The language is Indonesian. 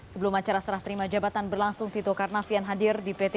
sebelum acara serah terima jabatan berlangsung tito karnavian hadir di pt